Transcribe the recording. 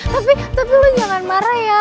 tapi tapi lo jangan marah ya